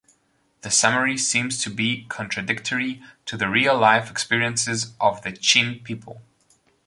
The summary seems to be contradictory to the real-life experiences of the Chin people.